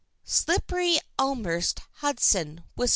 SLIPPERYELMHURST, HUDSON, WIS.